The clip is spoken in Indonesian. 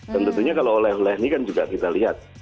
dan tentunya kalau oleh oleh ini kan juga kita lihat